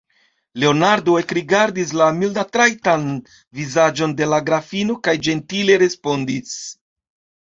Leonardo ekrigardis la mildatrajtan vizaĝon de la grafino kaj ĝentile respondis: